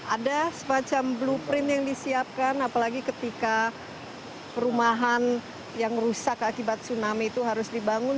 ada semacam blueprint yang disiapkan apalagi ketika perumahan yang rusak akibat tsunami itu harus dibangun